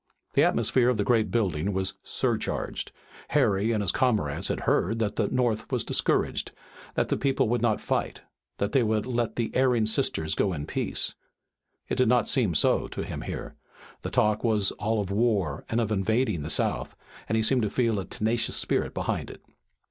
The atmosphere of the great building was surcharged. Harry and his comrades had heard that the North was discouraged, that the people would not fight, that they would "let the erring sisters go in peace." It did not seem so to him here. The talk was all of war and of invading the South, and he seemed to feel a tenacious spirit behind it.